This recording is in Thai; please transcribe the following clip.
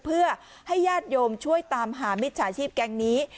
เพื่อให้ญาติโยมช่วยตามหามิจฉาชีพแก๊งนี้